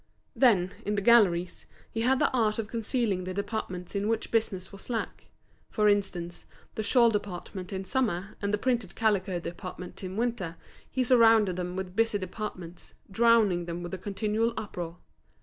Then, in the galleries, he had the art of concealing the departments in which business was slack; for instance, the shawl department in summer, and the printed calico department in winter, he surrounded them with busy departments, drowning them with a continual uproar.